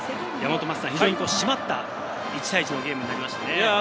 非常に締まった１対１のゲームになりましたね。